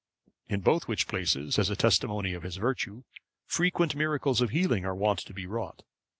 In both which places, as a testimony of his virtue, frequent miracles of healing are wont to be wrought.